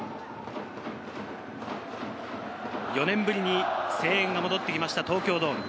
４年ぶりに声援が戻ってきました、東京ドーム。